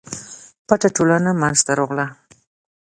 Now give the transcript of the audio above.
پټه ټولنه منځته راغله.